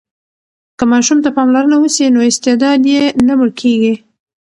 که ماشوم ته پاملرنه وسي نو استعداد یې نه مړ کېږي.